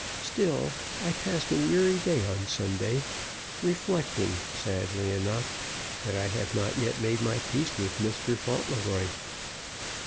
Still, I passed a weary day on Sunday, reflecting, sadly enough, that I had not yet made my peace with Mr. Fauntleroy.